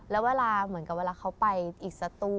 แล้วเวลาเหมือนกับเวลาเขาไปอีกสตู